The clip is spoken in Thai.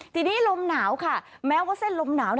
ทีนี้ลมหนาวค่ะแม้ว่าเส้นลมหนาว